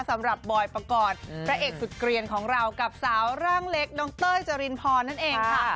บอยปกรณ์พระเอกสุดเกลียนของเรากับสาวร่างเล็กน้องเต้ยจรินพรนั่นเองค่ะ